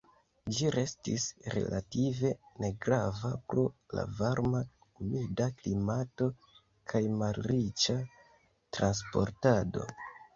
Ĝi restis relative negrava pro la varma, humida klimato kaj malriĉa transportado.